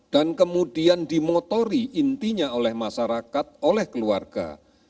dan kemudian dimotori intinya oleh masyarakat oleh keluarga